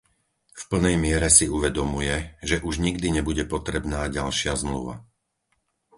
V plnej miere si uvedomuje, že už nikdy nebude potrebná ďalšia zmluva.